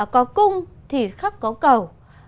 có cung thì khắc có cầu